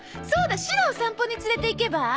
そうだシロを散歩に連れていけば？